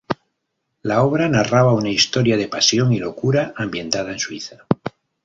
La obra narraba una historia de pasión y locura ambientada en Suiza.